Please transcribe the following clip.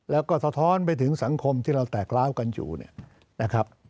แล้วก็สะท้อนไปถึงสังคมที่เราแตกร้าวกันอยู่เนี่ยนะครับ